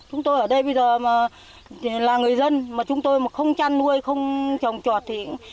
chúng tôi ở đây bây giờ là người dân mà chúng tôi không chăn nuôi không trồng trọt thì